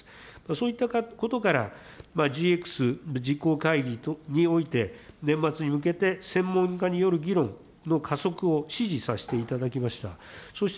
そういったことから、ＧＸじこう会議において、年末に向けて、専門家による議論の加速を指示させていただきました。